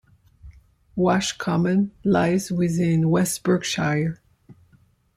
Wash Common lies within West Berkshire.